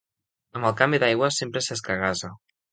Amb el canvi d'aigües sempre s'escagassa.